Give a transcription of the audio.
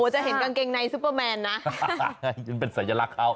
จะเห็นกางเกงในซุปเปอร์แมนนะยังเป็นสัญลักษณ์เขา